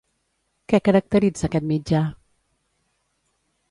Què caracteritza aquest mitjà?